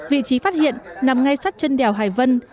vị trí phát hiện nằm ngay sắt chân đèo hải vân